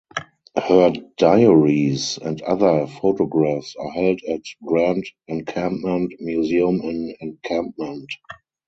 Her diaries and other photographs are held at Grand Encampment Museum in Encampment.